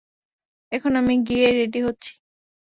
এখন আমি গিয়ে রেডি হচ্ছি।